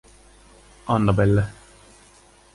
Annabelle.